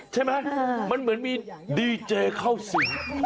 ใช่ไหมมันเหมือนมีดีเจเข้าสิง